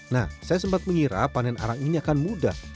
nah saya sempat mengira panen arang ini akan mudah